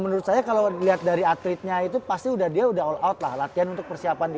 menurut saya kalau lihat dari atletnya itu pasti udah dia udah outlah latihan untuk persiapan di